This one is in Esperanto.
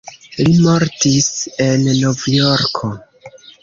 Li mortis en Novjorko.